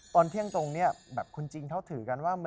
ตอนเที่ยงตรงคุณจริงเขาถือกันว่า